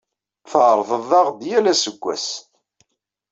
Tɛerrḍeḍ-aɣ-d yal aseggas.